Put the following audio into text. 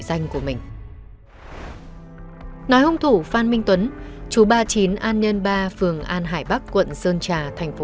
danh của mình nói hung thủ phan minh tuấn chú ba mươi chín an nhân ba phường an hải bắc quận sơn trà thành phố